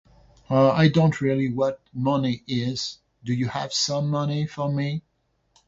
Uh, I don't really what money is, do you have some money for me?